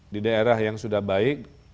di daerah yang sudah baik